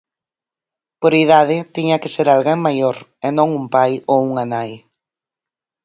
Por idade, tiña que ser alguén maior, e non un pai ou unha nai.